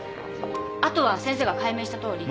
後は先生が解明したとおり。